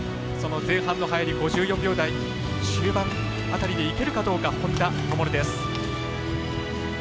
前半の入り、５４秒台終盤辺りでいけるかどうか本多灯です。